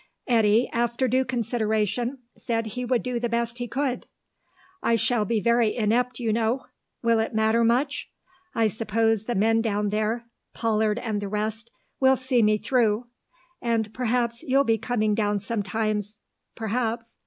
Eddy, after due consideration, said he would do the best he could. "I shall be very inept, you know. Will it matter much? I suppose the men down there Pollard and the rest will see me through. And you'll be coming down sometimes, perhaps."